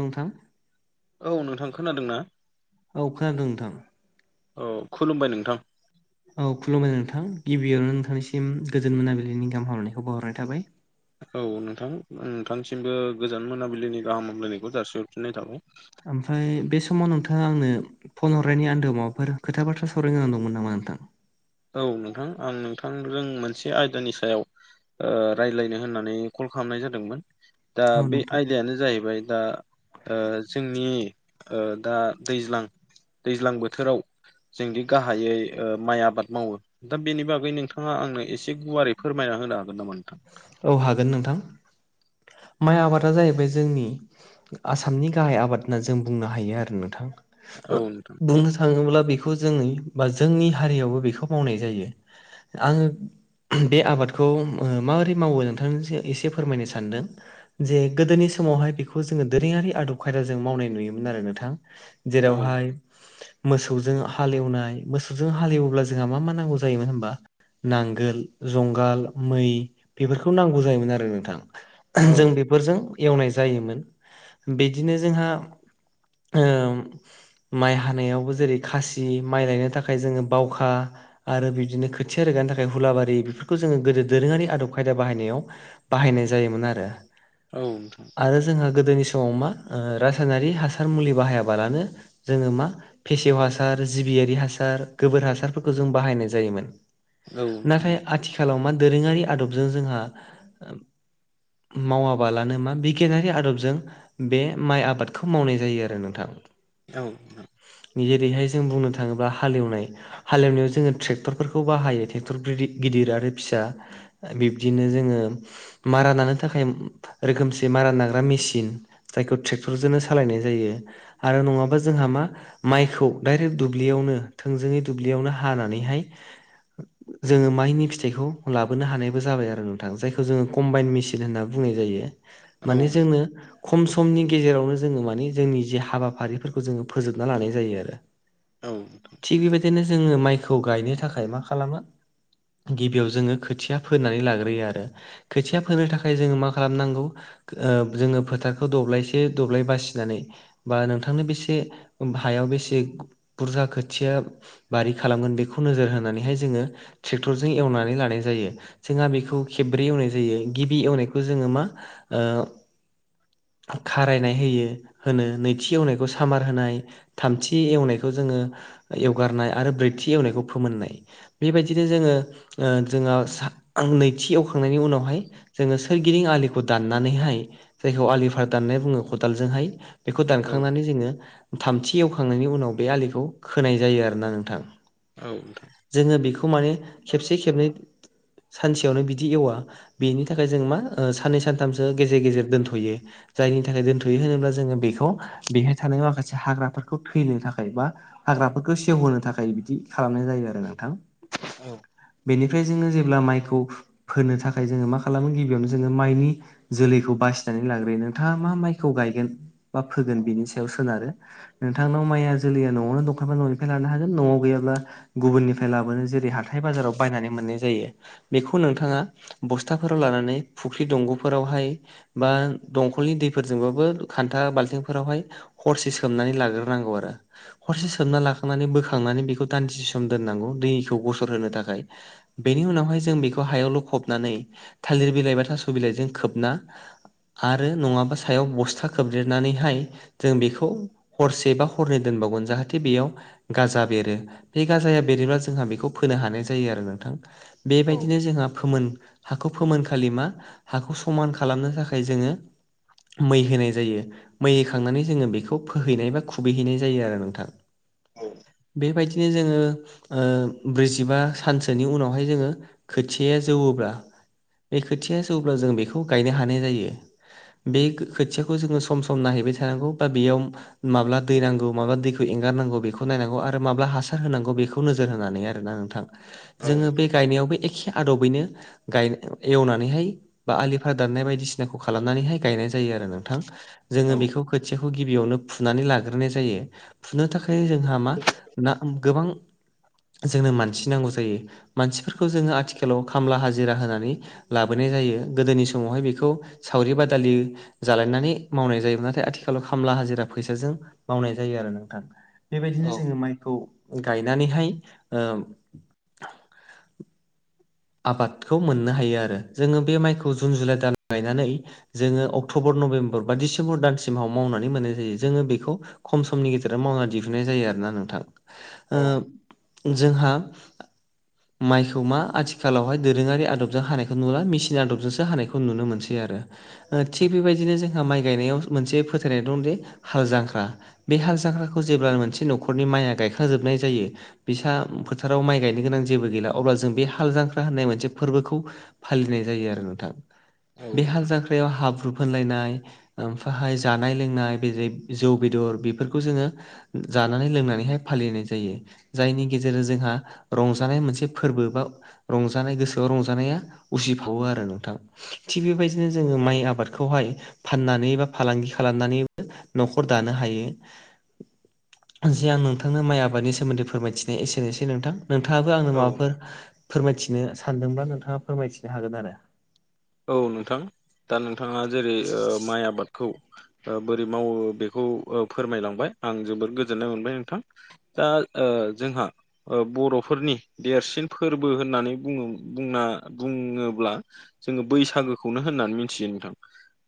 नोंथां। औ नोंथां खोनादों ना। औ खोनदों नोंथां। औ खुलुमबाय नोंथां। औ खुलुमबाय नोंथां गिबियावनो नोंथांनिसिम गोजोन मोनाबिलिनि गाहाम हामनायखौ बाउहरनाय थाबाय। औ नोंथां नोंथांसिमबो गोजान मोनाबिलिनि गाहाम हामलायनायखौ जासिहरफिननाय थाबाय। ओमफ्राय बे समाव नोंथाङा आंनो फन हरनायनि आन्दोआव माबाफोर खोथा बाथ्रा सावरायनो गोनां दंमोन नामा नोंथां? औ नोंथां आं नोंथांजों मोनसे आयदानि सायाव ओ रायलायनो होननानै कल खालामनाय जादोंमोन दा औ बे नोंथां आयदायानो जाहैबाय दा जोंनि दा दैज्लां दैज्लां बोथोराव जोंदि गाहायै माइ आबाद मावो दा बेनि बागै नोंथाङा आंनो एसे गुवारै फोरमायना होनो हागोन नामा नोंथां? औ हागोन नोंथां। माइ आबादा जाहैबाय जोंनि आसामनि गाहाय आबाद होनना जों बुंनो हायो आरो औ नोंथां। नोंथां बुंनो थाङोब्ला बेखौ जोंनि बा जोंनि हारियावबो बेखौ मावनाय जायो। आङो बे आबादखौ माबोरै मावो नोंथांनिस एसे फोरमायनो सानदों। जे गोदोनि समावहाय बेखौ जोङो दोरोङारि आदब खायदाजों मावनाय नुयोमोन आरो नोंथां। औ जेरावहाय मोसौजों हालेवनाय मोसौजों हालेवोब्ला जोंहा मा मा नांगौ जायोमोन हबा नांगोल जुंगाल मै बेफोरखौ नांगौ जायोमोन आरो नोंथां। औ जों बेफोरजों एवनाय जायोमोन बिदिनो जोंहा ओ माइ हानायावबो जेरै खासि माइ लायनो थाखाय जोङो बावखा आरो बिबदिनो खोथिया रोगानो थाखाय हुलाबारि बेफोरखौ जोङो गोदो दोरोङारि आदब खायदा बाहायनायाव बाहायनाय जायोमोन आरो। औ नोंथां। आरो जोंहा गोदोनि समाव मा रासायनारि हासार मुलि बाहायाबालानो- जोङो मा फेसेव हासार जिबियारि हासार गोबोर हासारफोरखौ जों बाहायनाय जायोमोन। औ नोंथां नाथाय औ आथिखालाव मा दोरोङारि आदबजों जोंहा मावाबाालानो मा बिगियानारि आदबजों बे माइ आबादखौ मावनाय जायो आरो नोंथां। औ जेरैहाय जों बुंनो थाङोब्ला हालेवनाय हालेवनायाव जोङो ट्रेक्टरफोरखौ बाहायो ट्रेक्टर गिदिर आरो फिसा बिब्दिनो जोङो मारानानै थाखाय रोखोमसे मारा नाग्रा मेसिन जायखौ ट्रेक्टरजोंनो सालायनाय जायो। आरो नङाबा जोंहा मा माइखौ डाइरेक्ट दुब्लियावनो थोंजोङै दुब्लियावनो हानानैहाय जोङो माइनि फिथाइखौ लाबोनो हानायबो जाबाय आरो नोंथां जाय जोङो कम्बाइन मेचन होनना बुंनाय जायो माने औ जोंनो खम समनि गेजेरावनो जोङो मानिे जोंनि जे हाबाफारिफोरखौ जोङो फोजोबना लानाय जायो आरो। औ थिग बेबायदिनो जोङो माइखौ गायनो थाखाय मा खालामो। गिबियाव जोङो खोथिया फोनानै लाग्रोयो आरो खोथिया फोनो थाखाय। ओखाय जोङो मा खालामनांगौ जोङो फोथारखौ दब्लायसे दब्लाय बासिनानै बा नोंथांनो बेसे हायाव बेसे बुरजा खोथिया बारि खालामगोन बेखौ नोजोर होनानैहाय जोङो ट्रेक्टरजों एवनानै लानाय जायो जोंहा बेखौ खेब्रै एवनाय जायो गिबि एवनायखौ जोङो मा खारायनाय होयो होनो नैथि एवनायखौ सामार होनाय थामथि एवनायखौ जोङो एवगारनाय आरो ब्रैथि एवनायखौ फोमोननाय बेबायदिनो जोङो ओ जोंहा नैथि एवखांनायनि उनावहाय जोङो सोरगिदिं आलिखौ दान्नानैहाय जायखौ आलि भार दाननानै बुङो खदालजोंहाय बेखौ औ दानखांनानै जोङो थामथि एवखांनायनि उनाव बे आलिखौ खोनाय जायो आरोना नोंथां औ नोंथां। जोङो बेखौ माने खेबसे खेबनै सानसेयावनो बिदि एवा बेनि थाखाय जों मा साननै सानथामसो गेजेर गेजेर दोनथ'यो। जायनि थाखाय दोनथ'यो होनोब्ला जोङो बेखौ बेहाय थानाय माखासे हाग्राफोरखौ थैनो थाखाय बा हाग्राफोरखौ सेवहोनो थाखाय बिदि खालामनाय जायो आरो नोंथां। औ। बेनिफ्राय जोङो जेब्ला माइखौ फोनो थाखाय जोङो माखासे खालामो गिबियावनो जोङो माइनि जोलैखौ बासिनानै लाग्रोयो नोंथाङा मा माइखौ गायगोन। बा फोगोन बिनि सायाव सोनारो नोंथांनाव माइया जोलैया न'आवनो दंखांबा न'निफ्राय लानो हागोन न'आव गैयाब्ला गुबुननिफ्राय लाबोनो जेरै हाथाय बाजाराव बायनानै मोननाय जायो बेखौ नोंथाङा बस्थु फोथाफोराव लानानै फुख्रि दंग'फोरावहाय बा दंखलनि दैफोरजोंबाबो खान्था बाल्थिंफोरावहाय हरसे सोमनानै लाग्रोनांगौ आरो हरसे सोमना लाखांनानै बोखांनानै बेखौ दान्दि सम दोननांगौ दैखौ गसर होनो थाखाय बेनि उनावहाय जों बेखौ हायावल'खबनानै थालिर बिलाइ बा थास' बिलाइजों खोबना आरो नङाबा सायाव बस्था खोबदेरनानैहाय जों बेखौ हरसे बा हरनै दोनबावगोन जाहाथे बेयाव गाजा बेरो बे गाजाया बेरोब्ला जोंहा बेखौ फोनो हानाय जायो आरो नोंथां औ बेबायदिनो नोंथां जोंहा फोमोन हाखौ फोमोन खालि मा हाखौ समान खालामनो थाखाय जोङो मै होनाय जायो। मै हैखांनानै जोङो बेखौ फोहैनाय बा खुबैहैनाय जायो आरो नोंथां बेबायदि बिदिनो जोङो ओ ब्रैजिबा सानसोनि उनावहाय जोङो खोथिया जौब्ला‌ बे खोथिया जौवब्ला जों बेखौ गायनो हानाय जायो बे खोथियाखौ जोङो सम सम नायहैबाय थानांगौ बा बेयाव माब्ला दै नांगौ माब्ला दैखौ एंगारनांगौ बेखौ नायनांगौ आरो माब्ला हासार होनांगौ बेखौ नोजोर होनानै आरोना नोंथां जोङो बे गायनायावबो एखे आदबैनो गाय एवनानैहाय बा आलिफ्रा दाननाय बायदिसिनाखौ खालामनानैहाय गायनाय जायो आरो नोंथां जोङो औ बेखौ खोथियाखौ गिबियावनो फुनानै लाग्रोनाय जायो फुनो थाखाय जोंहा मा ना गोबां जोंनो मानसि नांगौ जायो मानसिफोरखौ जोङो आथिखालाव खामला हाजिरा होनानै लाबोनाय जायो गोदोनि समावहाय बेखौ सावरि बादालि जालायनानै मावनाय जायो नाथाय आथिखालाव खामला हाजिरा फैसाजों मावनाय जायो आरो नोंथां बेबायदिनो औ जोङो माइखौ गायनानैहाय ओ आबादखौ मोननो हायो आरो जोङो बे माइखौ जुन जुलाइ दान गायनानै जोङो अक्ट'बर नभेम्बर बा डिसेम्बर दानसिमाव मावनानै मोननाय जायो जोङो बेखौ खम समनि गेजेराव मावना दिहुननाय जायो आरो ना नोंथां ओ जोंहा माइखौ मा आथिखाल आथिखालावहाय दोरोङारि आदबजों हानायखौ नुला मेसिन आदबजोंसो हानायखौ नुनो मोनसै आरो थिग बेबायदिनो जोंहा माइ गायनायाव मोनसे फोथायनाय दं जे हाल जांख्रा बे हाल जाग्राखौ जेब्ला मोनसे न'खरनि माइआ गायख्राजोबनाय जायो बिसा फोथाराव माइ गायनो गोनां जेबो गैला अब्ला जों बे हाल जां नाय मोन फोरखौ फालिनाय जायो आरो नोंथां बे नोंथां खायाव हाब्रु फोनलायनाय ओमफाहाय जानाय लोंनाय बेै जौ बेदर बेफोरखौ जोङो जानानै लोंनानैहाय फालिनाय जायो। जायनि गेजेरजों जोंहा रंजानाय मोनसे फोरबो बा रंजानाय गोसोआव रंजानाया उसिफावो आरो नोंथां। थिग बेबायदिनो जोङो माइ आबादखौहाय फाननानै बा फालांगि खालामनानै न'खर दानो हायो। जे आं नोंथांनो माइ आबादनि सोमोन्दै फोरमायथिनाय एसेनोसै नोंथां नोंथाङाबो आंनो औ माबाफोर फोरमायथिनो सानदोंब्ला नोंथाङा फोरमायथिनो हागोन आरो औ नोंथां दा नोंथाङा जेरै ओ माइ आबादखौ बोरै मावो बेखौ फोरमायलांबाय आं जोबोर गोजोननाय मोनबाय नोंथां। दा जोंहा बर'फोरनि देरसिन फोरबो होननानै बुङो बुंना बुङोब्ला जोङो बैसागोखौनो होननानै मिथियो नोंथां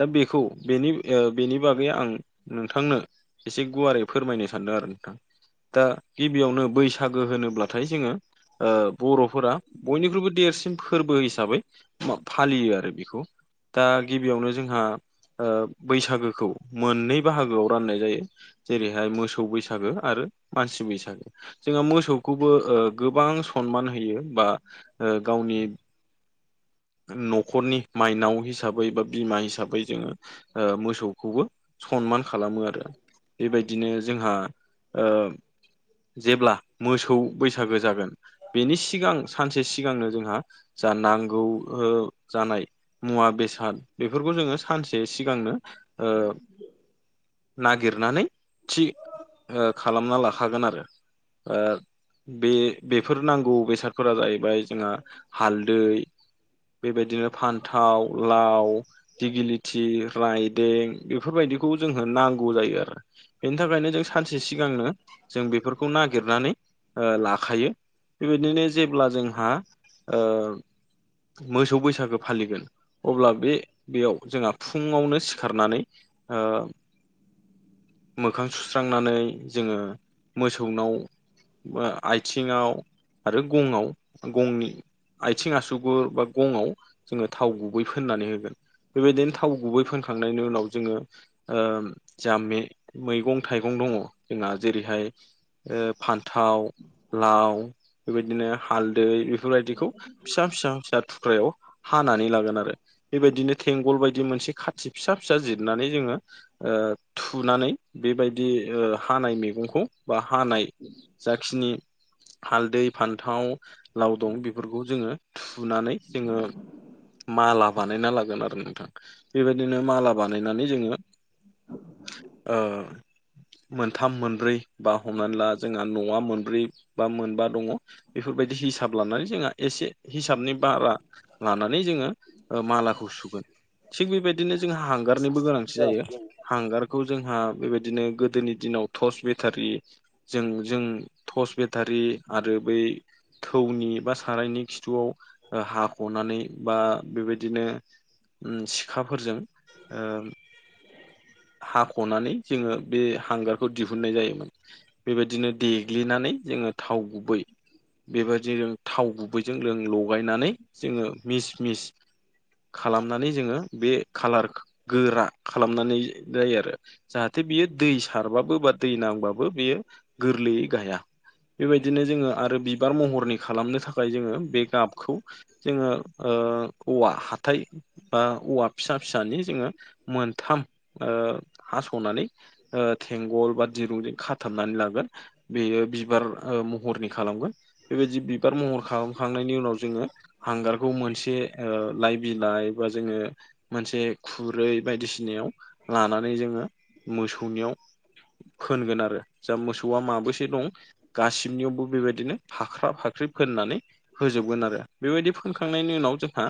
दा बेखौ बेनि ओ बेनि बागै आं नोंथांनो एसे गुवारै फोरमायनो सानदों आरो नोंथां। दा गिबियावनो बैसागो होनोब्लाथाय जोङो ओ बर'फोरा बयनिख्रुइबो देरसिन फोरबो हिसाबै फालियो आरो बेखौ दा गिबियावनो जोंहा ओ बैसागोखौ मोननै बाहागोआव राननाय जायो। जेरैहाय मोसौ बैसागो आरो मानसि बैसागो। जोंहा मोसौखौबो ओ गोबां सनमान होयो बा ओ गावनि न'खरनि माइनाव हिसाबै बा बिमा हिसाबै जोङो ओ मोसौखौबो सनमान खालामो आरो। बेबायदिनो जोंहा ओ जेब्ला मोसौ बैसागो जागोन बेनि सिगां सानसे सिगांनो जोंहा जा नांगौ ओ जानाय मुवा बेसाद बेफोरखौ जोङो सानसे सिगांनो ओ नागिरनानै थि ओ खालामना लाखागोन आरो। ओ बे बेफोर नांगौ बेसादफोरा जाहैबाय जोंहा हालदै बेबायदिनो फान्थाव, लाव दिगिलिथि, राइदें बेफोरबायदिखौ जोंनो नांगौ जायो आरो। बेनि थाखायनो जों सानसे सिगांनो जों बेफोरखौ नागिरनानै ओ लाखायो। बेबायदिनो जेब्ला जोंहा ओ मोसौ बैसागो फालिगोन अब्ला बे बेयाव जोंहा फुङावनो सिखारनानै ओ मोखां सुस्रांनानै जोङो मोसौनाव ओ आथिङाव आरो गङाव गंनि आथिं आसुगुर बा गङाव जोङो थाव गुबै फोननानै होगोन। बेबायदिनो थाव गुबै फोनखांनायनि उनाव जोङो ओ जा मे-मैगं थाइगं दङ' जोंना जेरैहाय ओ फान्थाव, लाव बेबायदिनो हालदै बेफोरबायदिखौ फिसा फिसा फिसा थुख्रायाव हानानै लागोन आरो। बेबायदिनो थेंगल बायदि मोनसे खाथि फिसा फिसा जिरनानै जोङो ओ थुनानै बेबायदि ओ हानाय मैगंखौ बा हानाय जाखिनि हालदै, फान्थाव लाव दं बेफोरखौ जोङो थुनानै जोङो माला बानायना लागोन आरो नोंथां बेबायदिनो माला बानायनानै जोङो ओ मोनथाम मोनब्रै बा हमनानै ला जोंहा न'आ मोनब्रै बा मोनबा दङ' बेफोरबायदि हिसाब लानानै जोंहा एसे हिसाबनि बा लानानै जोङो ओ मालाखौ सुगोन थिग बेबायदिनो जोंहा हांगारनिबो गोनांथि जायो हांगारखौ जोंहा बेबायदिनो गोदोनि दिनाव टर्च बेटारि जों जों टर्च बेटारि आरो बै थौनि बा सारायनि खिथुआव ओ हा हनानै बा बेबायदिनो ओम सिखाफोरजों ओ हाख'नानै जोङो बे हांगारखौ दिहुननाय जायोमोन। बेबायदिनो देग्लिनानै जोङो थाव गुबै बेबायदिनो जों थाव गुबैजों जों लगायनानै जोङो मिस मिस खालामनानै जोङो बे खालार गोरा खालामनानै जायो आरो। जाहाथे बियो दै सारबाबो बा दै नांबाबो बियो गोरलैयै गाया। बेबायदिनो जोङो आरो बिबार महरनि खालामनो थाखाय जोङो बे गाबखौ जोङो ओ औवा हाथाय बा औवा फिसा फिसानि जोङो मोनथाम ओ हास'नानै ओ थेंगल बा दिरुंजों खाथाबनानै लागोन बेयो बिबार महरनि खालामगोन बेबायदि बिबार महर खालामखांनायनि उनाव जोङो हांगारखौ मोनसे ओ लाइ बिलाइ बा जोङो मोनसे खुरै बायदिसिनायाव लानानै जोङो मोसौनियाव फोनगोन आरो जा मोसौआ माबैसे दं गासिबनियावबो बेबायदिनो फाख्रा फाख्रि फोननानै होजोबगोन आरो बेबायदि फोनखांनायनि उनाव जोंहा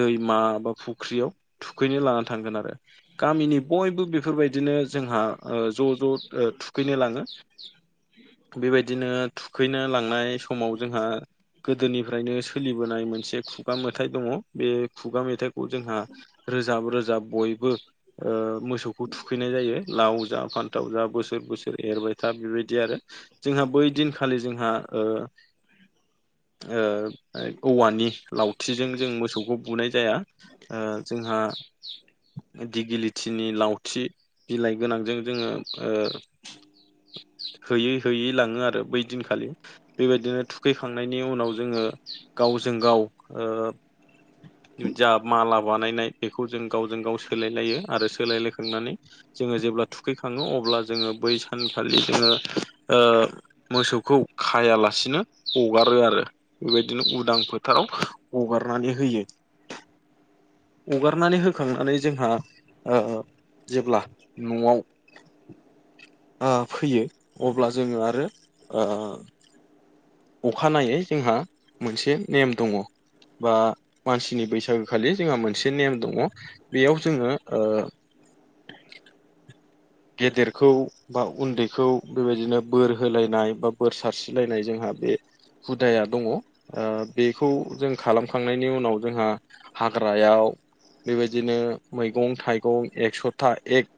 दैमा बा फुख्रियाव थुखैनो लाना थांगोन आरो। गामिनि बयबो बेफोरबायदिनो जोंहा ज' ज' थुखैनो लाङो बेबायदिनो थुखैनो लांनाय समाव जोंहा गोदोनिफ्रायनो सोलिबोनाय मोनसे खुगा मेथाइ दङ बे खुगा मेथाइखौ जोंहा रोजाब रोजाब बयबो ओ। मोसौखौ थुखैनाय जायो लाव जा फान्थाव जा बोसोर बोसोर एरबाय था बेबायदि आरो जोंहा बै दिनखालि जोंहा ओ ओ ओ औवानि लावथिजों जों मोसौखौ बुनाय जाया ओ जोंहा दिगिलिथिनि लावथि बिलाइ गोनांजों जोङो ओ होयै होयै लाङो आरो बै दिनखालि बेबायदिनो थुखैखांनायनि उनाव जोङो गावजों गाव ओ जा माला बानायनाय बेखौ जों गावजों गाव सोलायलायो आरो सोलायलायखांनानै जोङो जेब्ला थुखैखाङो अब्ला जोङो बै सानखालि जोङो ओ मोसौखौ खायालासिनो हगारो आरो बेबायदिनो उदां फोथाराव हगारनानै होयो हगारनानै होखांनानै जोंहा ओ जेब्ला न'आव ओ फैयो अब्ला जोङो आरो ओ अखानायै जोंहा मोनसे नेम दङ बा मानसिनि बैसागोखालि जोंहा मोनसे नेम दङ बेयाव जोङो ओ गेदेरखौ बा उन्दैखौ बेबायदिनो बोर होलायनाय बा बोर सारस्रिलायनाय जोंहा बे हुदाया दङ ओ बेखौ जों खालामखांनायनि उनाव जोंहा हाग्रायाव बेबायदिनो मैगं थाइगं एकस'था एक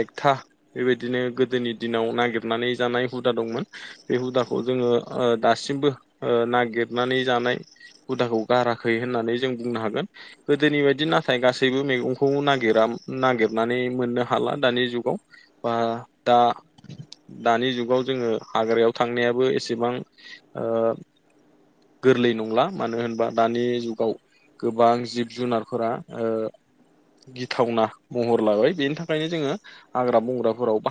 एकथा बेबायदिनो गोदोनि दिनाव नागिरनानै जानाय हुदा दंमोन बे हुदाखौ जोङो ओ दासिमबो ओ नागिरनानै जानाय हुदाखौ गाराखै होननानै जों बुंनो हागोन गोदोनि बायदि नाथाय गासैबो मैगंखौ नागिरा नागिरनानै मोननो हाला दानि जुगाव बा दा दानि जुगाव जोङो हाग्रायाव थांनायाबो एसेबां ओ गोरलै नंला मानो होनबा दानि जुगाव गोबां जिब जुनारफोरा ओ गिथावना महर लाबाय बेनि था खायनो जोङो हाग्रा बंग्राफोराव